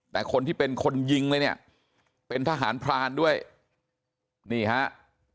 แต่คนที่เป็นคนยิงเป็นทหารพรานด้วยนี่ครับ